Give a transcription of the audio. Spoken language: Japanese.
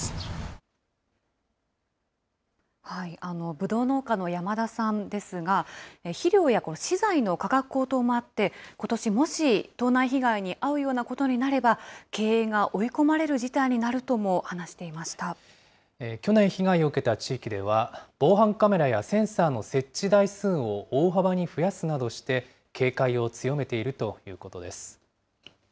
ぶどう農家の山田さんですが、肥料や資材の価格高騰もあって、ことしもし、盗難被害に遭うようなことになれば、経営が追い込まれる事態にな去年被害を受けた地域では、防犯カメラやセンサーの設置台数を大幅に増やすなどして警戒を強めているということです。